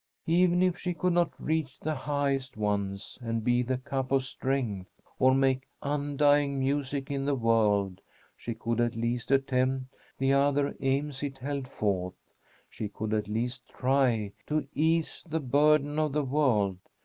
Even if she could not reach the highest ones, and be "the cup of strength," or "make undying music in the world," she could at least attempt the other aims it held forth. She could at least try "to ease the burden of the world."